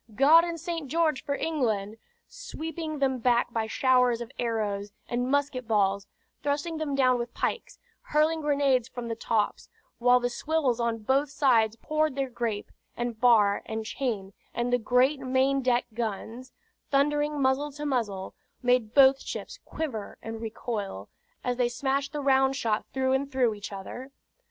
"God and St. George for England!" sweeping them back by showers of arrows and musket balls, thrusting them down with pikes, hurling grenades from the tops; while the swivels on both sides poured their grape, and bar, and chain, and the great main deck guns, thundering muzzle to muzzle, made both ships quiver and recoil, as they smashed the round shot through and through each other.